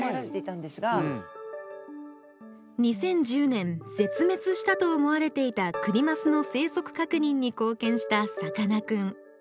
２０１０年ぜつめつしたと思われていたクニマスの生息かくにんにこうけんしたさかなクン。